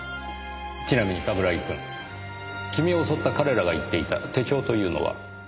ちなみに冠城くん君を襲った彼らが言っていた手帳というのは？